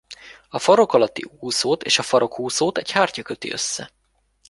A farok alatti úszót és a farokúszót egy hártya köti össze.